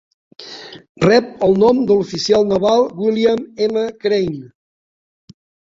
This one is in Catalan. Rep el nom de l'oficial naval William M. Crane.